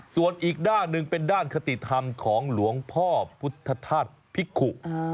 ส่วนอีกด้านหนึ่งเป็นด้านคติธรรมของหลวงพ่อพุทธธาตุพิกุ